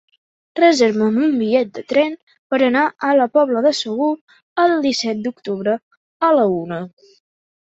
Reserva'm un bitllet de tren per anar a la Pobla de Segur el disset d'octubre a la una.